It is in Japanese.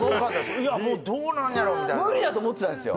いやどうなんやろうみたいな無理だと思ってたんですよ